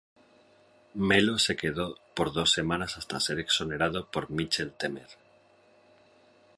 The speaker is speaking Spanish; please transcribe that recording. Melo se quedó por dos semanas hasta ser exonerado por Michel Temer.